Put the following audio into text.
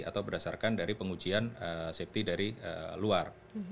atau berdasarkan dari pengujian safety dari luar